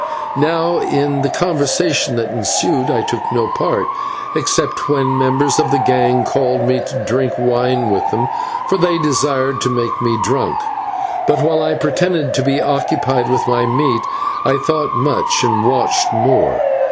Now, in the conversation that ensued I took no part, except when members of the gang called to me to drink wine with them, for they desired to make me drunk; but while I pretended to be occupied with my meat, I thought much and watched more.